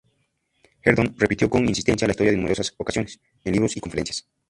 Herndon repitió con insistencia la historia en numerosas ocasiones, en libros y conferencias.